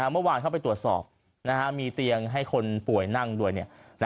เมื่อวานเข้าไปตรวจสอบมีเตียงให้คนป่วยนั่งด้วย